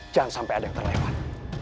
jangan sampai ada yang terlewat